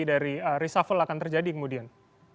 dari reshuffle akan terjadi kemudian